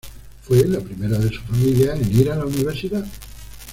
Fue la primera de su familia en ir a la universidad.